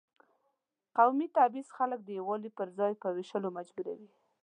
قومي تبعیض خلک د یووالي پر ځای په وېشلو مجبوروي.